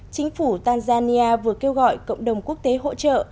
chính phủ tanzania vừa kêu gọi cộng đồng quốc tế hỗ trợ